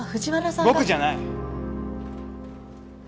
僕じゃない！